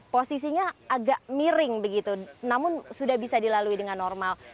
posisinya agak miring begitu namun sudah bisa dilalui dengan normal